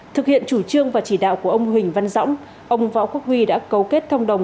thực hiện chủ trương và chỉ đạo của ông huỳnh văn dõng ông võ quốc huy đã cấu kết thông đồng